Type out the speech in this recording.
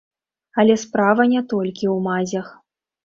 Але справа не толькі ў мазях.